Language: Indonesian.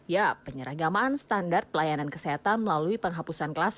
ya penyeragaman standar pelayanan kesehatan melalui penghapusan kelas